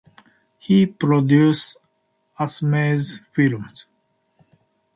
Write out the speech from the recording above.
He produced Assamese films.